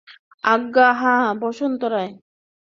আজ্ঞা হাঁ বসন্ত রায়।